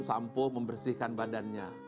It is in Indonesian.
sampo membersihkan badannya